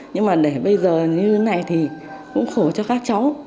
nhưng mà để bây giờ như thế này thì cũng khổ cho các cháu